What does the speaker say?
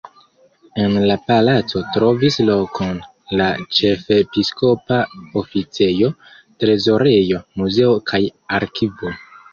En la palaco trovis lokon la ĉefepiskopa oficejo, trezorejo, muzeo kaj arkivo.